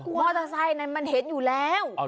มอเตอร์ไซค์นั้นมันเห็นอยู่แล้ว